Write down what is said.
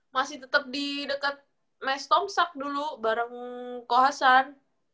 masih tetep di deket mes tomsak dulu bareng ko hasan